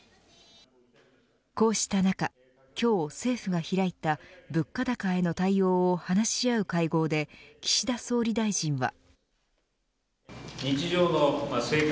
こうした中今日政府が開いた物価高への対応を話し合う会合で岸田総理大臣は。